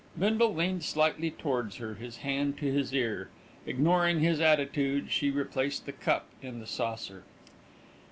Bindle leaned slightly towards her, his hand to his ear. Ignoring his attitude, she replaced the cup in the saucer.